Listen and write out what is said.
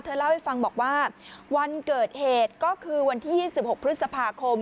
เล่าให้ฟังบอกว่าวันเกิดเหตุก็คือวันที่๒๖พฤษภาคม